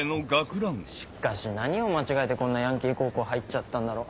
しかし何を間違えてこんなヤンキー高校入っちゃったんだろ。